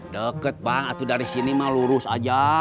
deket bang atau dari sini malurus aja